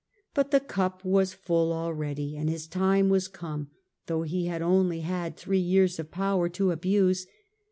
But the cup was full already, and his time was come, though he had only had three years of power to abuse.